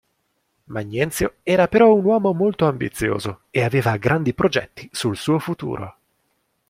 Magnenzio era però un uomo molto ambizioso, e aveva grandi progetti sul suo futuro.